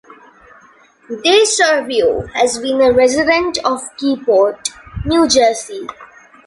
DeServio has been a resident of Keyport, New Jersey.